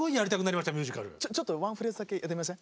ちょっとワンフレーズだけやってみません？